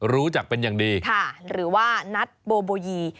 รู้จักเป็นอย่างดีค่ะหรือว่านัทโบโบยี